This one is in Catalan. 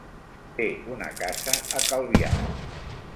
Té una casa a Calvià.